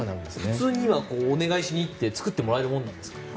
普通にお願いしに行って作ってもらえるものなんですか。